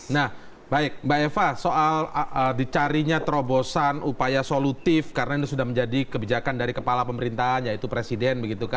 nah baik mbak eva soal dicarinya terobosan upaya solutif karena ini sudah menjadi kebijakan dari kepala pemerintahan yaitu presiden